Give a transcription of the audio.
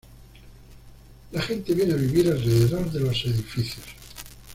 La gente viene a vivir alrededor de los edificios.